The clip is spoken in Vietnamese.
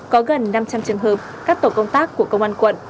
có gần năm trăm linh trường hợp các tổ công tác của công an quận